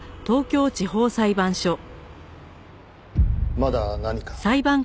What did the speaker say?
まだ何か？